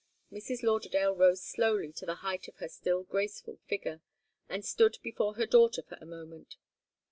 Mrs. Lauderdale rose slowly to the height of her still graceful figure, and stood before her daughter for a moment.